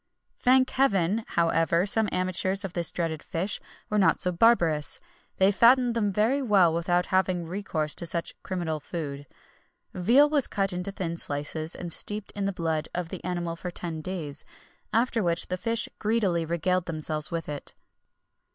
[XXI 63] Thank Heaven! however, some amateurs of this dreaded fish were not so barbarous; they fattened them very well without having recourse to such criminal food. Veal was cut into thin slices, and steeped in the blood of the animal for ten days, after which the fish greedily regaled themselves with it.